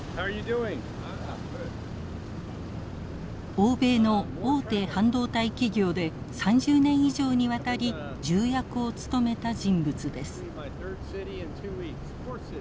欧米の大手半導体企業で３０年以上にわたり重役を務めた人物です。